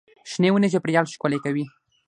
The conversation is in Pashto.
شنې ونې چاپېریال ښکلی کوي.